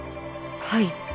はい。